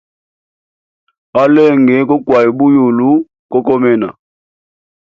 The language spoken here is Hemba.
Alenge koukwaya buyulu ko komena.